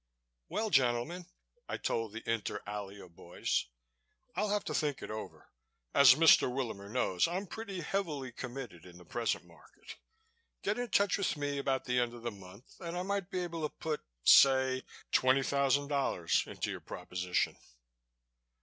"Well, gentlemen," I told the Inter Alia boys, "I'll have to think it over. As Mr. Willamer knows, I'm pretty heavily committed in the present market. Get in touch with me about the end of the month and I might be able to put say, twenty thousand dollars into your proposition."